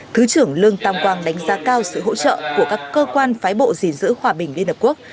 thứ trưởng lương tam quang đánh giá cao sự hỗ trợ của các cơ quan phái bộ dình giữ hòa bình liên hợp quốc